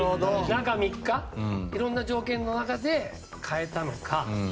中３日いろんな条件の中で代えたのか。